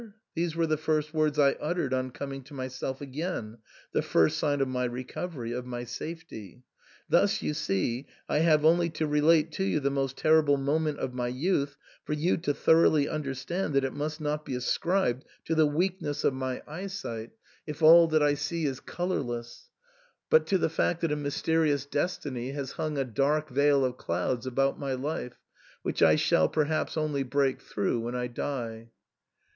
" these were the first words I uttered on coming to myself again, the first sign of my recovery, of my safety. Thus, you see, I have only to relate to you the most terrible moment of my youth for you to thoroughly understand that it must not be ascribed to the weakness of my eyesight THE SAND MAN. 177 if all that I see is colourless, but to the fact that a mys terious destiny has hung a dark veil of clouds about my life, which I shall perhaps only break through When I die.